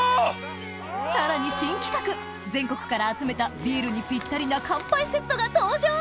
さらに新企画全国から集めたビールにぴったりな乾杯セットが登場！